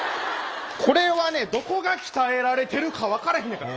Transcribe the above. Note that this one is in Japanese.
これはねどこが鍛えられてるか分からへんやから。